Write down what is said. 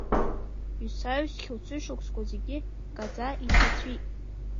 Исаҩсхьоу сышықәсқәа зегьы ккаӡа иҭацәит.